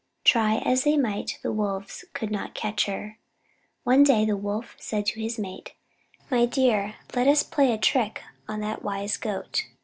Try as they might, the Wolves could not catch her. One day the Wolf said to his mate: "My dear, let us play a trick on that wise Goat.